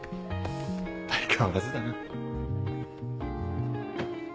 相変わらずだな。